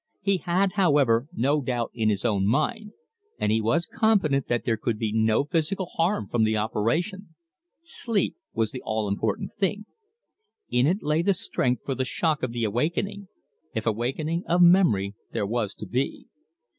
He had, however, no doubt in his own mind, and he was confident that there could be no physical harm from the operation. Sleep was the all important thing. In it lay the strength for the shock of the awakening if awakening of memory there was to be.